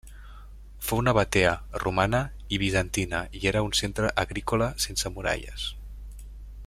Fou nabatea, romana i bizantina i era un centre agrícola sense muralles.